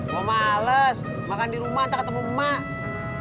mau males makan di rumah entah ketemu emak